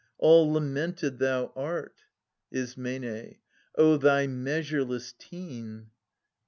All lamented thou art ! Is. O thy measureless teen